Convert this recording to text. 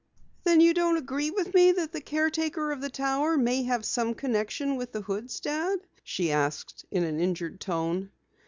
"Then you don't agree with me that the caretaker of the Tower may have some connection with the Hoods, Dad?" she asked in an injured tone.